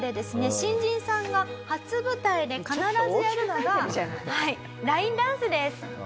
新人さんが初舞台で必ずやるのがはいラインダンスです。